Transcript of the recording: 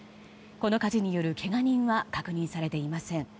この火事によるけが人は確認されていません。